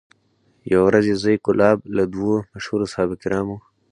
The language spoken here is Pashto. یوه ورځ یې زوی کلاب له دوو مشهورو صحابه کرامو